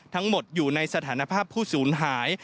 ทั้งหมดอยู่ในสถานภาพผู้สูญหาย